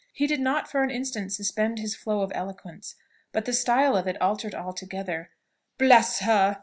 He did not for an instant suspend the flow of his eloquence, but the style of it altered altogether. "Bless her!